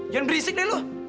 jangan berisik nih lo